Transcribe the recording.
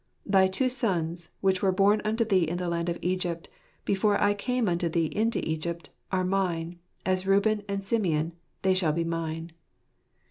" Thy two sons, which were born unto thee in the land of Egypt, before I came unto thee into Egypt, are mine : as Reuben and Simeon, they shall be mine."